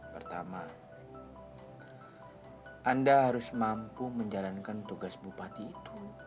pertama anda harus mampu menjalankan tugas bupati itu